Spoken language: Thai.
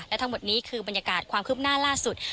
และทั้งหมดนี้คือบรรยากาศความคืบหน้าล่าสุด